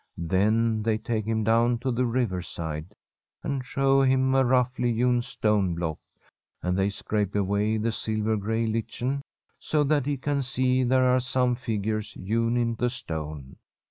Then they take him down to the riverside, and show him a roughly hewn stone block, and they scrape away the silver gray lichen, so that he can see there are some figures hewn in the stone.